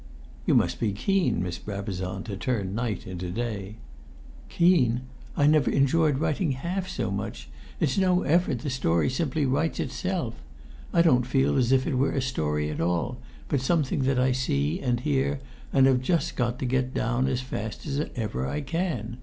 "You must be keen, Miss Brabazon, to turn night into day." "Keen? I never enjoyed writing half so much. It's no effort; the story simply writes itself. I don't feel as if it were a story at all, but something that I see and hear and have just got to get down as fast as ever I can!